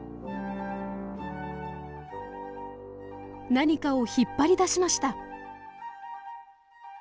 何かを引っ張り出しました。